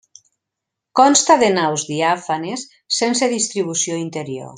Consta de naus diàfanes sense distribució interior.